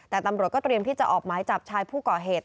แต่ตำรวจก็เตรียมที่จะออกหมายจับชายผู้ก่อเหตุ